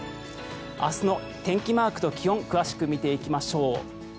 明日の天気マークと気温詳しく見ていきましょう。